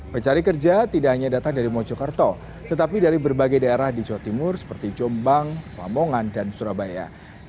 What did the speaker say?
pencari kerja tidak hanya datang dari mojokerto tetapi dari berbagai daerah di jawa timur seperti jombang lamongan dan surabaya